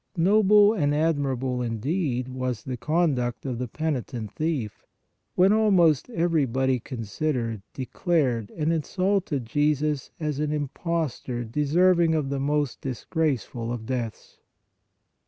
Noble and admirable indeed was the con duct of the penitent thief, when almost everybody considered, declared and insulted Jesus as an im postor deserving of the most disgraceful of deaths.